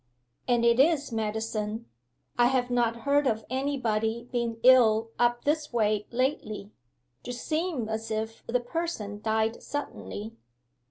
'And it is medicine.... I have not heard of any body being ill up this way lately? D'seem as if the person died suddenly.